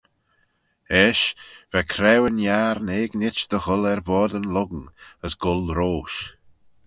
Eisht va Craueyn Yiarn eginit dy gholl er boayrd yn lhong, as goll roish.